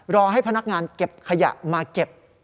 รอให้พนักงานเก็บขยะมาเก็บ